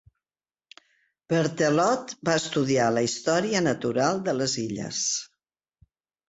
Berthelot va estudiar la història natural de les illes.